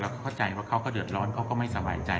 เข้าใจว่าเขาก็เดือดร้อนเขาก็ไม่สบายใจ